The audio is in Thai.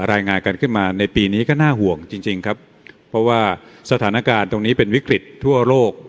รายงานกันขึ้นมาในปีนี้ก็น่าห่วงจริงจริงครับเพราะว่าสถานการณ์ตรงนี้เป็นวิกฤตทั่วโลก